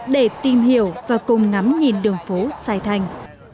để tìm hiểu và cùng ngắm nhìn đường phố sai thành